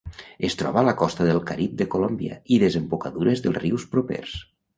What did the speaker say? Es troba a la costa del Carib de Colòmbia i desembocadures dels rius propers.